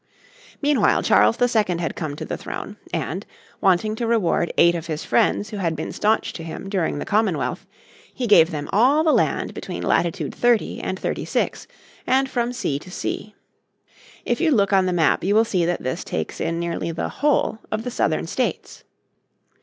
Meanwhile Charles II had come to the throne, and, wanting to reward eight of his friends who had been staunch to him during the Commonwealth, in 1663 he gave them all the land between latitude 30° and 36° and from sea to sea. If you look on the map you will see that this takes in nearly the whole of the Southern States.